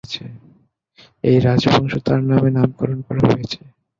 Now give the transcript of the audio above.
এই রাজবংশ তার নামে নামকরণ করা হয়েছে।